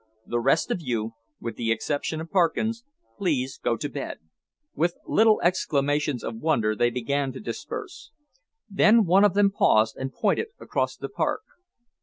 The rest of you, with the exception of Parkins, please go to bed." With little exclamations of wonder they began to disperse. Then one of them paused and pointed across the park.